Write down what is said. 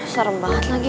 serem banget lagi